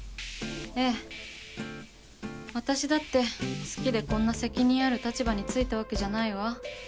ええ私だって好きでこんな責任ある立場についたわけじゃないわ。